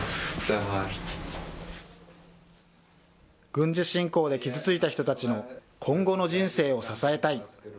軍事侵攻で傷ついた人たちの今後の人生を支えたい。